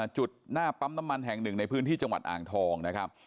จุดหน้าปั๊มน้ำมันแห่งหนึ่งในพื้นที่จังหวัดอ่างทองนะครับ